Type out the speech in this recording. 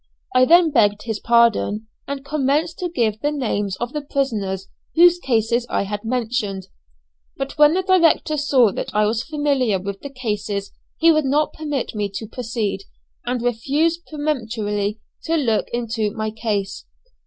I then begged his pardon, and commenced to give the names of the prisoners whose cases I had mentioned. But when the director saw that I was familiar with the cases he would not permit me to proceed, and refused peremptorily to look into my case.